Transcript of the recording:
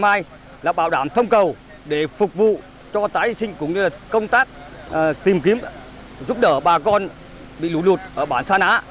hôm nay là bảo đảm thông cầu để phục vụ cho tái sinh cũng như công tác tìm kiếm giúp đỡ bà con bị lụt lụt ở bản sa ná